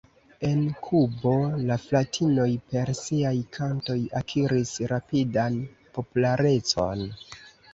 En Kubo la fratinoj per siaj kantoj akiris rapidan popularecon.